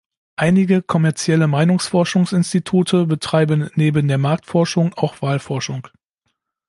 Einige kommerzielle Meinungsforschungsinstitute betreiben neben der Marktforschung auch Wahlforschung.